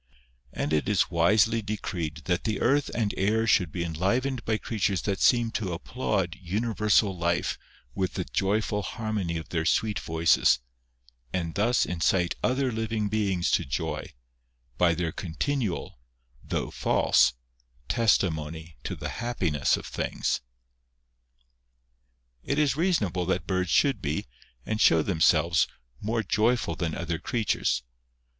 And it is wisely decreed that the earth and air should be enlivened by creatures that seem to applaud universal life with the joyful harmony of their sweet voices, and thus incite other living beings to joy, by their continual, though false, testimony to the happiness of things. 148 PANEGYRIC OF BIRDS. It is reasonable that birds should be, and show them selves, more joyful than other creatures.